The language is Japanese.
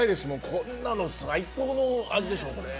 こんなの最高の味ですよね。